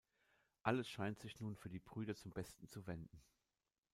Alles scheint sich nun für die Brüder zum Besten zu wenden.